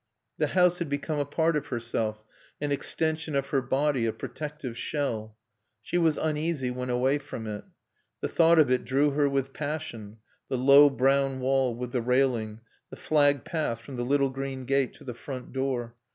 The house had become a part of herself, an extension of her body, a protective shell. She was uneasy when away from it. The thought of it drew her with passion: the low brown wall with the railing, the flagged path from the little green gate to the front door.